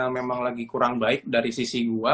memang lagi kurang baik dari sisi gua